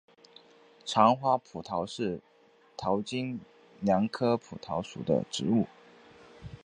长花蒲桃是桃金娘科蒲桃属的植物。